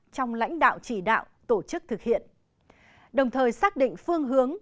trong lãnh đạo chỉ đạo tổ chức thực hiện đồng thời xác định phương hướng